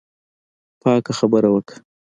پاکه خبره وکړه.